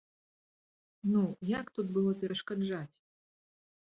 Ну, як тут было перашкаджаць?!